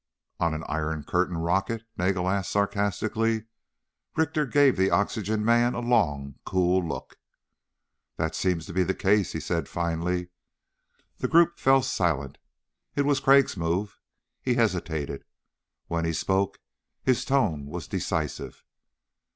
"On an Iron Curtain rocket?" Nagel asked sarcastically. Richter gave the oxygen man a long cool look. "That seems to be the case," he said finally. The group fell silent. It was Crag's move. He hesitated. When he spoke his tone was decisive.